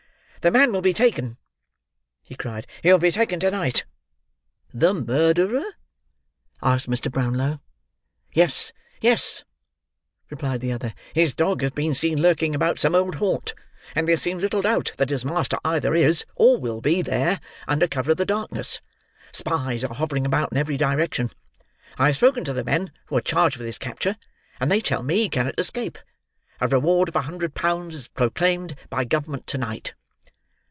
"The man will be taken," he cried. "He will be taken to night!" "The murderer?" asked Mr. Brownlow. "Yes, yes," replied the other. "His dog has been seen lurking about some old haunt, and there seems little doubt that his master either is, or will be, there, under cover of the darkness. Spies are hovering about in every direction. I have spoken to the men who are charged with his capture, and they tell me he cannot escape. A reward of a hundred pounds is proclaimed by Government to night."